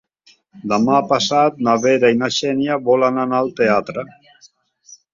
Demà passat na Vera i na Xènia volen anar al teatre.